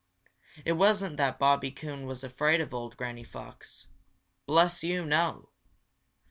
It wasn't that Bobby Coon was afraid of old Granny Fox. Bless you, no!